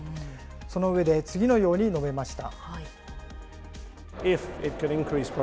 その上で、次のように述べました。